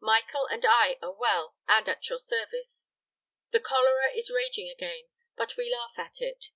Michael and I are well, and at your service. The cholera is raging again, but we laugh at it.